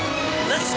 よし！